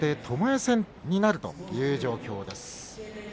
ともえ戦になるという状況です。